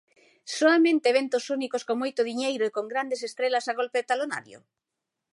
¿Soamente eventos únicos con moito diñeiro e con grandes estrelas a golpe de talonario?